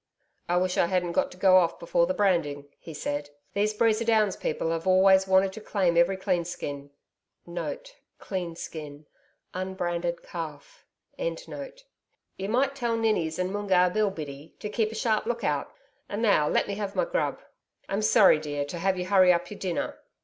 'I wish I hadn't got to go off before the branding,' he said. 'These Breeza Downs people always want to claim every cleanskin*. You might tell Ninnis and Moongarr Bill, Biddy, to keep a sharp look out. And now let me have my grub I'm sorry, dear, to have you hurry up your dinner.'